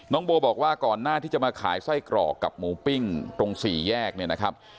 โบบอกว่าก่อนหน้าที่จะมาขายไส้กรอกกับหมูปิ้งตรงสี่แยกเนี่ยนะครับ